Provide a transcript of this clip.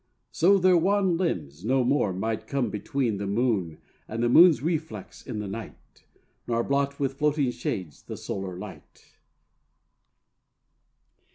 So their wan limbs no more might come between The moon and the moon's reflex in the night; Nor blot with floating shades the solar light.